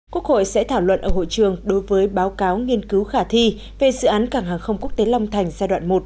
quốc hội sẽ thảo luận ở hội trường đối với báo cáo nghiên cứu khả thi về dự án cảng hàng không quốc tế long thành giai đoạn một